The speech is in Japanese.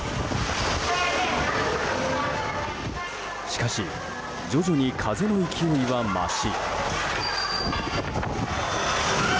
しかし、徐々に風の勢いは増し。